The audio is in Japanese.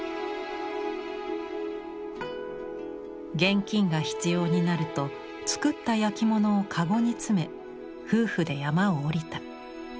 現金が必要になると作った焼き物を籠に詰め夫婦で山を下りた。